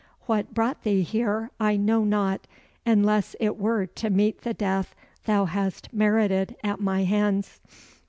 What brought thee here I know not, unless it were to meet the death thou hast merited at my hands.